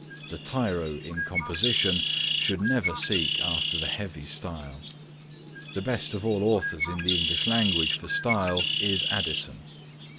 The tyro in composition should never seek after the heavy style. The best of all authors in the English language for style is Addison.